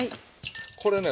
これね